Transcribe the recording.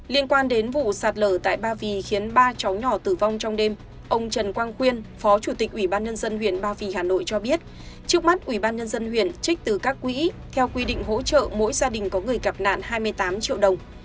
liên quan đến vụ sạt lở tại ba vì khiến ba cháu nhỏ tử vong trong đêm ông trần quang quyên phó chủ tịch ủy ban nhân dân huyện ba vì hà nội cho biết trước mắt ủy ban nhân dân huyện trích từ các quỹ theo quy định hỗ trợ mỗi gia đình có người gặp nạn hai mươi tám triệu đồng